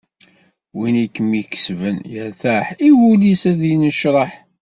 Win i kem-ikesben yertaḥ, i wul-is ad yennecraḥ.